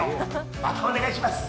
またお願いします